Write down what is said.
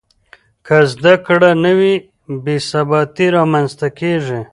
که زده کړه نه وي، بې ثباتي رامنځته کېږي.